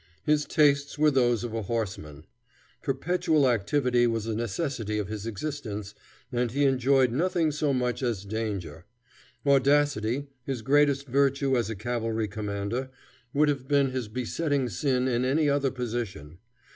His tastes were those of a horseman. Perpetual activity was a necessity of his existence, and he enjoyed nothing so much as danger. Audacity, his greatest virtue as a cavalry commander, would have been his besetting sin in any other position.